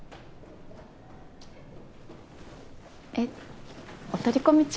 えっお取り込み中？